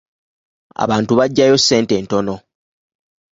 Abantu bagyayo ssente ntono.